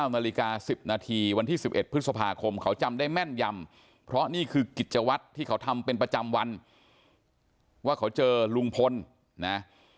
นาฬิกา๑๐นาทีวันที่๑๑พฤษภาคมเขาจำได้แม่นยำเพราะนี่คือกิจวัตรที่เขาทำเป็นประจำวันว่าเขาเจอลุงพลนะ